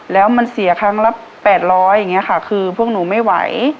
แล้วมันเสียครั้งละ๘๐๐อย่างนี้ค่ะคือพวกหนูไม่ไหว